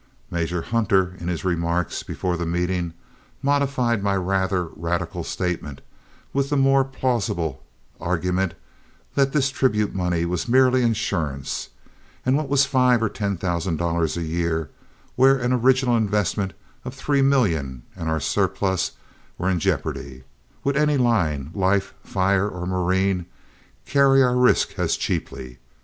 Major Hunter, in his remarks before the meeting, modified my rather radical statement, with the more plausible argument that this tribute money was merely insurance, and what was five or ten thousand dollars a year, where an original investment of three millions and our surplus were in jeopardy? Would any line life, fire, or marine carry our risk as cheaply?